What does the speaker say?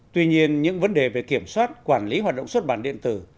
tuy nhiên những vấn đề về kiểm soát quản lý hoạt động xuất bản điện tử